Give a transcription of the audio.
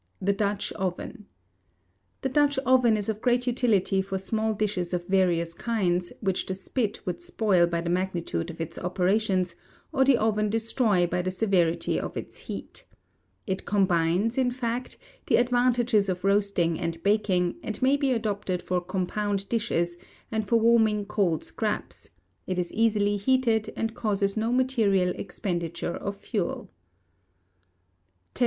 The Dutch Oven. The Dutch oven is of great utility for small dishes of various kinds, which the Spit would spoil by the magnitude of its operations, or the Oven destroy by the severity of its heat. It combines, in fact, the advantages of roasting and baking, and may be adopted for compound dishes, and for warming cold scraps: it is easily heated, and causes no material expenditure of fuel. 1031.